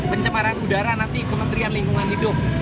pencemaran udara nanti kementerian lingkungan hidup